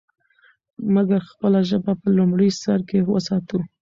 مګر خپله ژبه په لومړي سر کې وساتو.